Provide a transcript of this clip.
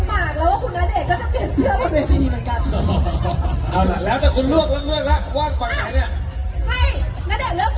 ตรงนี้อันนี้นะครับ